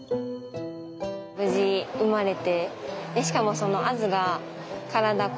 無事生まれて。